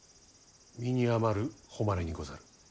身に余る誉れにござる。